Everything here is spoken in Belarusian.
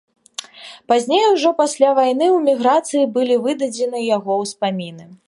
Пазней, ужо пасля вайны, у эміграцыі былі выдадзеныя яго ўспаміны.